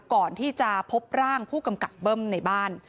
ก่อนที่จะพบร่างผู้กำกับเบิ้มในบ้าน